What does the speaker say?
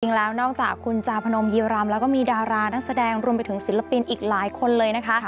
นอกจากคุณจาพนมยีรำแล้วก็มีดารานักแสดงรวมไปถึงศิลปินอีกหลายคนเลยนะคะ